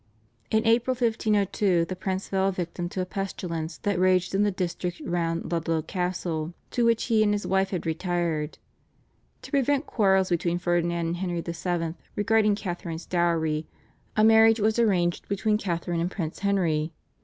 In April 1502 the Prince fell a victim to a pestilence that raged in the district round Ludlow Castle to which he and his wife had retired. To prevent quarrels between Ferdinand and Henry VII. regarding Catharine's dowry, a marriage was arranged between Catharine and Prince Henry.